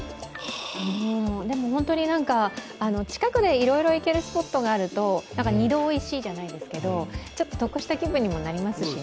でも近くでいろいろ行けるスポットがあると、２度おいしいじゃないですけど、ちょっと得した気分にもなりますしね。